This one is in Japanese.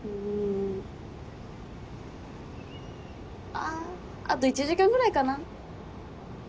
あああと１時間ぐらいかな。